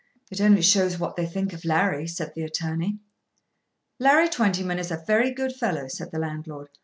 "It only shows what they think of Larry," said the attorney. "Larry Twentyman is a very good fellow," said the landlord.